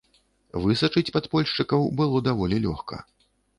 Высачыць падпольшчыкаў было даволі лёгка.